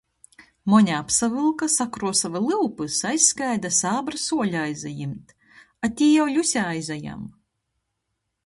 Moņa apsavylka, sakruosuoja lyupys, aizskrēja da sābra suoļa aizajimt. A tī jau Ļuse aizajem.